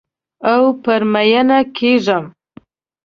او پر میینه کیږم